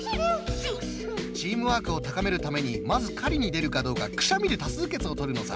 チームワークを高めるためにまず狩りに出るかどうかクシャミで多数決を採るのさ。